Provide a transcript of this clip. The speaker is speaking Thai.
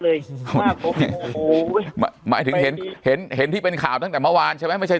โอ้โหหมายถึงเห็นที่เป็นข่าวตั้งแต่เมื่อวานใช่ไหมไม่ใช่